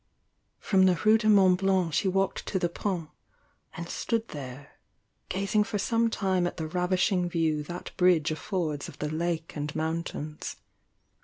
From the Rue du Mont Blanc rhe walked to the Pont, and stood there, gazing for some time at the ravishing view that bridge affords of the lake and mountains.